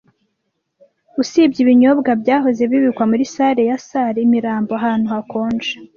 Usibye ibinyobwa byahoze bibikwa muri salle ya salle Imirambo - ahantu hakonje